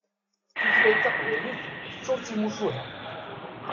Tutlayt taqbaylit teččur d timucuha.